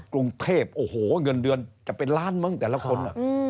กรุงเทพโอ้โหเงินเดือนจะเป็นล้านมั้งแต่ละคน